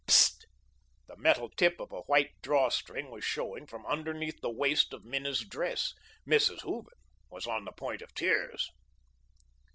pst!" The metal tip of a white draw string was showing from underneath the waist of Minna's dress. Mrs. Hooven was on the point of tears.